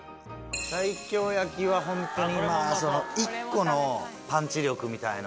西京焼きはホントに１個のパンチ力みたいのは。